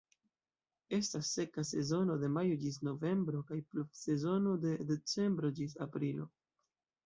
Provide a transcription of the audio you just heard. Estas seka sezono de majo ĝis novembro kaj pluvsezono de decembro ĝis aprilo.